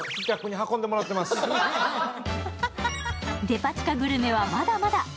デパ地下グルメは、まだまだ。